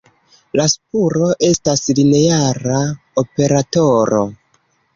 La spuro estas lineara operatoro.